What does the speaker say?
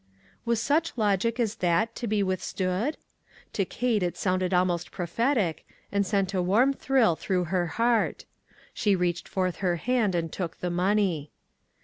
Was such logic as that to be withstood? To Kate it sounded almost prophetic, and sent a warm thrill through her heart. She reached forth her hand and took the money.